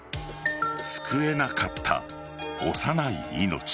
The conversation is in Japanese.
救えなかった幼い命。